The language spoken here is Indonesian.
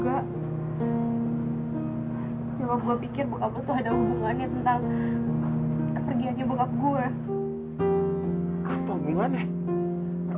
nyokap gue pikir bokap lo tuh ada hubungannya tentang